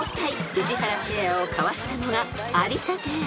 ［宇治原ペアをかわしたのが有田ペア］